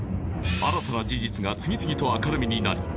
新たな事実が次々と明らかになり